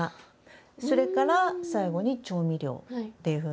それから最後に調味料っていうふうになって。